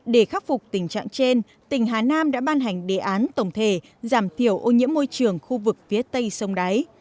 để khắc phục tình trạng trên tỉnh hà nam đã ban hành đề án tổng thể giảm thiểu ô nhiễm môi trường khu vực phía tây sông đáy